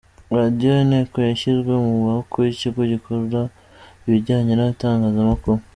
Radiyo Inteko yashyizwe mu maboko y ‘ikigo gikora ibijyanye n‘itangaza makuru